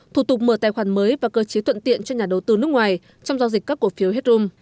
thủ tục mở tài khoản mới và cơ chế thuận tiện cho nhà đầu tư nước ngoài trong giao dịch các cổ phiếu hezum